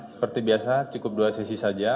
seperti biasa cukup dua sesi saja